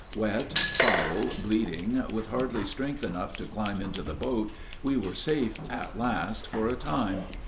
Wet, foul, bleeding, with hardly strength enough to climb into the boat, we were safe at last for a time.